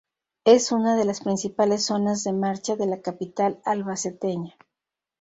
Es una de las principales zonas de marcha de la capital albaceteña.